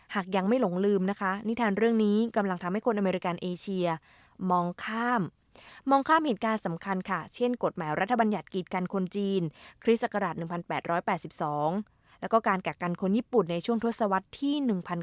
หากยังไม่หลงลืมนะคะนิทานเรื่องนี้กำลังทำให้คนอเมริกันเอเชียมองข้ามมองข้ามเหตุการณ์สำคัญค่ะเช่นกฎหมายรัฐบัญญัติกิจกันคนจีนคริสตราช๑๘๘๒แล้วก็การกักกันคนญี่ปุ่นในช่วงทศวรรษที่๑๕